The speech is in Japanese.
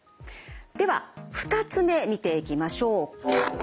では２つ目見ていきましょう。